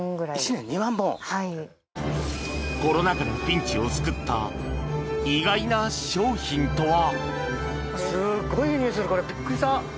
コロナ禍のピンチを救った意外な商品とは？